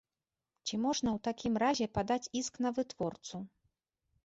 Ці можна ў такім разе падаць іск на вытворцу?